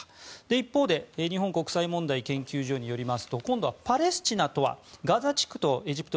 一方で、日本国際問題研究所によりますと今度はパレスチナとはガザ地区とエジプト